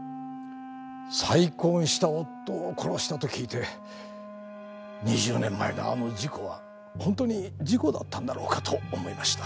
再婚した夫を殺したと聞いて２０年前のあの事故は本当に事故だったんだろうかと思いました。